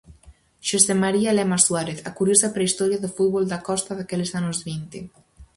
Xosé María Lema Suárez: a curiosa prehistoria do fútbol da Costa daqueles anos vinte.